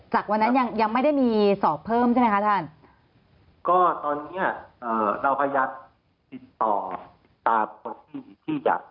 จากวันนั้นยังยังไม่ได้มีสอบเพิ่มใช่ไหมคะท่านก็ตอนเนี้ยเอ่อเราพยายามติดต่อตามคนที่ที่จะ